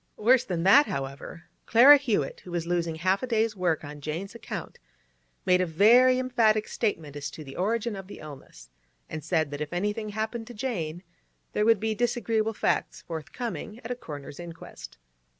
Worse than that, however, Clara Hewett, who was losing half a day's work on Jane's account, made a very emphatic statement as to the origin of the illness, and said that if anything happened to Jane, there would be disagreeable facts forthcoming at a coroner's inquest.